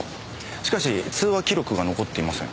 しかし通話記録が残っていません。